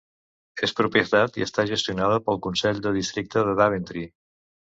És propietat i està gestionada pel Consell de Districte de Daventry.